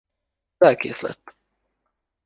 Lelkész lett.